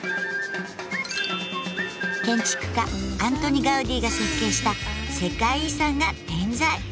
建築家アントニ・ガウディが設計した世界遺産が点在。